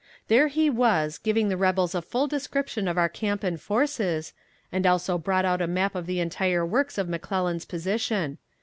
There he was, giving the rebels a full description of our camp and forces, and also brought out a map of the entire works of McClellan's position.